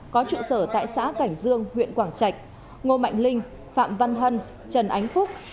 có trụ sở tại xã cảnh dương huyện quảng trạch ngô mạnh linh phạm văn hân trần ánh phúc